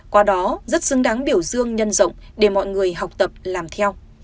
qua đó rất xứng đáng biểu dương nhân rộng để mọi người học tập làm theo